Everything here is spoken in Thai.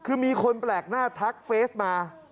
คือมีคนแปลกหน้าทักเฟสมา